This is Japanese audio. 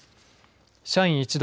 社員一同